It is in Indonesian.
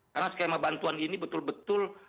karena skena bantuan ini betul betul